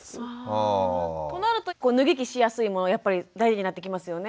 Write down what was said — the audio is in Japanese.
となると脱ぎ着しやすいものやっぱり大事になってきますよね。